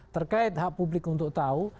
terkait hak publik untuk tahu